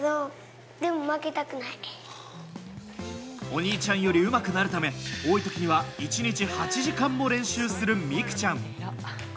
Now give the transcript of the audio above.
お兄ちゃんよりうまくなるため多い時には１日８時間も練習する美空ちゃん。